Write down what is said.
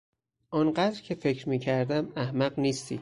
آنقدر که فکر میکردم احمق نیستی.